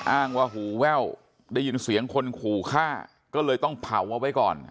อ้างว่าหูแว่วได้ยินเสียงคนขู่ฆ่าก็เลยต้องเผาเอาไว้ก่อน